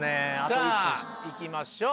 さぁいきましょう。